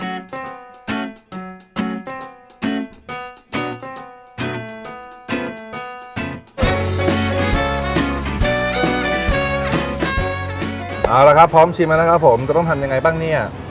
เอาละครับพร้อมชิมแล้วนะครับผมจะต้องทำยังไงบ้างเนี่ย